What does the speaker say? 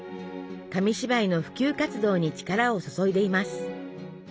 紙芝居の普及活動に力を注いでいます。